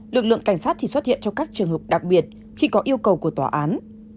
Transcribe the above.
lực lượng cảnh sát thì xuất hiện trong các trường hợp đặc biệt khi có yêu cầu của tòa án